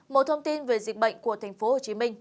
một thông tin về dịch bệnh của tp hcm